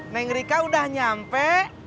neng rika udah nyampe